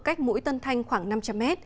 cách mũi tân thanh khoảng năm trăm linh m